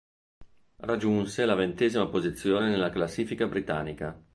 Raggiunse la ventesima posizione della classifica britannica.